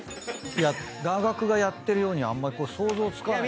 だーがくがやってるようにはあんまり想像つかない。